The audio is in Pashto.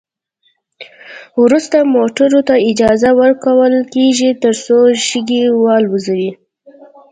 وروسته موټرو ته اجازه ورکول کیږي ترڅو شګې والوزوي